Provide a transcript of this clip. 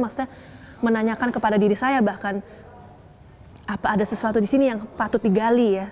maksudnya menanyakan kepada diri saya bahkan apa ada sesuatu di sini yang patut digali ya